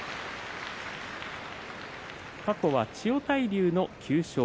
過去は千代大龍の９勝。